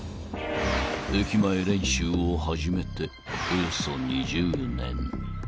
［駅前練習を始めておよそ２０年］